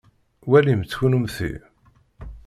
Walimt kunemti.